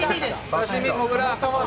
「刺身もぐら！」